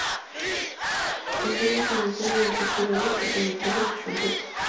Mejor Documental en el Festival de cortometrajes de San Roque.